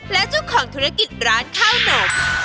และเจ้าของธุรกิจร้านข้าวหนม